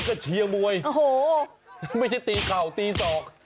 ก็ไม่ใช่ตีขาวตีศอก